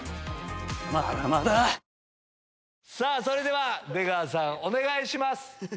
それでは出川さんお願いします。